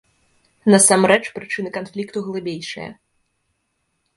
Насамрэч прычыны канфлікту глыбейшыя.